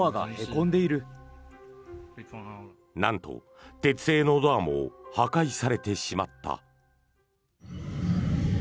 なんと、鉄製のドアも破壊されてしまった。